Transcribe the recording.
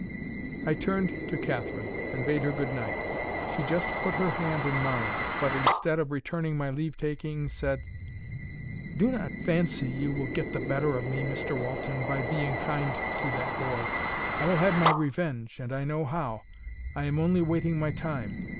I turned to Catherine, and bade her good night. She just put her hand in mine; but, instead of returning my leave taking, said: "Do not fancy you will get the better of me, Mr Walton, by being kind to that boy. I will have my revenge, and I know how. I am only waiting my time.